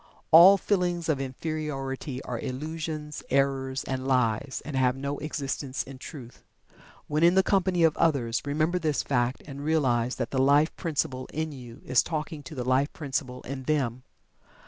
All feelings of Inferiority are illusions, errors, and lies, and have no existence in Truth. When in the company of others remember this fact and realize that the Life Principle in you is talking to the Life Principle in them.